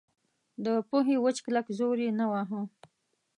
د پوهې وچ کلک زور یې نه واهه.